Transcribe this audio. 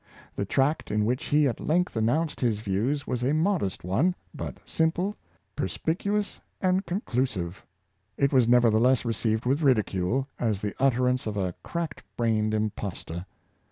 The tract in which he at length announced his views was a most modest one, but simple, perspicuous, and conclu sive. It was nevertheless received with ridicule, as the utterance of a cracked brained impostor.